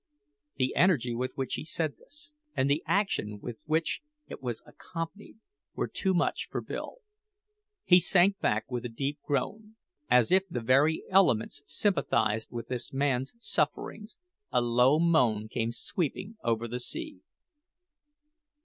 The energy with which he said this, and the action with which it was accompanied, were too much for Bill. He sank back with a deep groan. As if the very elements sympathised with this man's sufferings, a low moan came sweeping over the sea.